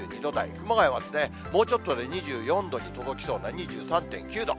熊谷はもうちょっとで２４度に届きそうな２３．９度。